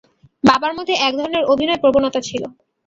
বাবার মধ্যে একধরনের অভিনয় প্রবণতা ছিল।